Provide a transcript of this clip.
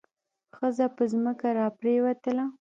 ښځه په ځمکه را پریوتله.